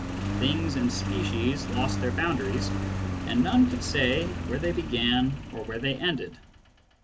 Things and species lost their boundaries, and none could say where they began or where they ended.